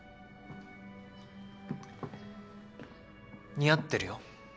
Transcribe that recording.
似合ってるよ。